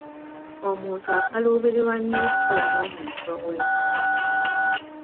Omuntu akaluubirirwa nnyo okukola n’omuntu ow’empaka.